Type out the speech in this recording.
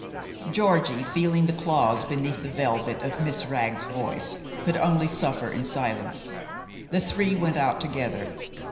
Georgie, feeling the claws beneath the velvet of Miss Wragg's voice, could only suffer in silence. The three went out together.